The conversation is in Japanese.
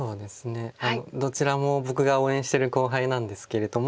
どちらも僕が応援してる後輩なんですけれども。